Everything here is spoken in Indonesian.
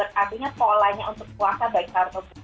artinya polanya untuk puasa baik salah atau buruk